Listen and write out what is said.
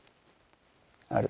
ある。